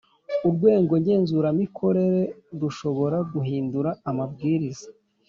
Urwego ngenzuramikorere rushobora guhindura amabwiriza